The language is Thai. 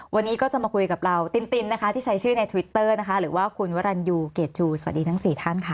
วันนี้ก็จะมาคุยกับเราตินตินนะคะที่ใช้ชื่อในทวิตเตอร์นะคะหรือว่าคุณวรรณยูเกรจูสวัสดีทั้ง๔ท่านค่ะ